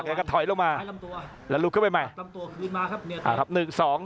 กันก็ถอยลงมาแล้วลุบเข้าไปใหม่อ่าครับหนึ่งสอง